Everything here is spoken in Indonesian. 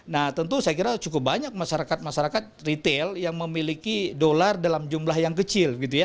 nah tentu saya kira cukup banyak masyarakat masyarakat retail yang memiliki dolar dalam jumlah yang kecil gitu ya